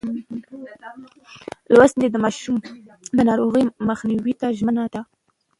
لوستې میندې د ماشوم د ناروغۍ مخنیوي ته ژمنه ده.